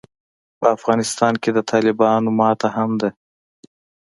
په افغانستان کې د طالبانو ماته هم ده.